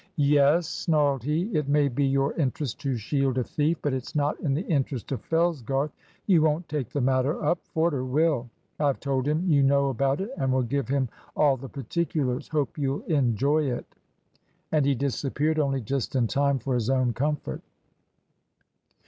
"Yes," snarled he. "It may be your interest to shield a thief, but it's not in the interest of Fellsgarth. You won't take the matter up; Forder will. I've told him you know about it, and will give him all the particulars. Hope you'll enjoy it." And he disappeared, only just in time for his own comfort.